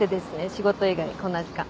仕事以外でこんな時間。